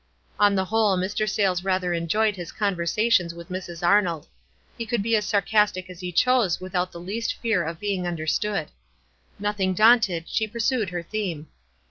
On the whole Mr. Sayles rather enjoyed his conversations with Mrs. Arnold. He could be as sarcastic as he chose without the least fear of being understood. Nothing daunted, she pur sued her theme.